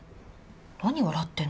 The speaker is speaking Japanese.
何笑ってんの？